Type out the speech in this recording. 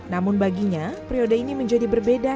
namun baginya periode ini menjadi berbeda